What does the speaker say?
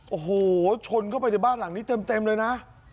โอ้โหชนเข้าไปในบ้านหลังนี้เต็มเลยนะ